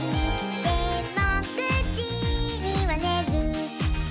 「でも９じにはねる」